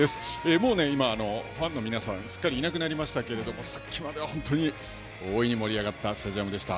もう今、ファンの皆さん、すっかりいなくなりましたけれども、さっきまでは本当に、大いに盛り上がったスタジアムでした。